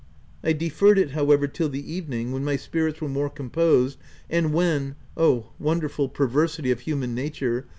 I deferred it how ever, till the evening, when my spirits were OP WILDFELL HALL. 157 more composed and when — oh, wonderful per versity of human nature